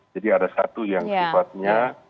jadi ada satu yang sifatnya